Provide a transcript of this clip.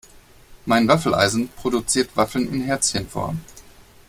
Mein Waffeleisen produziert Waffeln in Herzchenform.